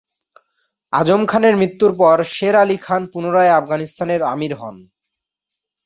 আজম খানের মৃত্যুর পর শের আলি খান পুনরায় আফগানিস্তানের আমির হন।